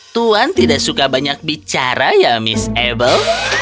tuan tidak suka banyak bicara ya miss abel